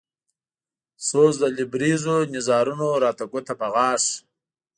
سوز د لبرېزو نيزارونو راته ګوته په غاښ